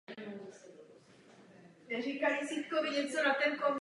Poměrně dost druhů jdou endemity Nové Kaledonie.